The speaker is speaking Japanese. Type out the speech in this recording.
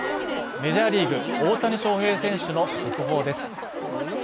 メジャーリーグ大谷翔平選手の速報です。